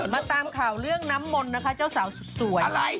มาตามข่าวเรื่องน้ำมนต์นะคะเจ้าสาวสุดสวย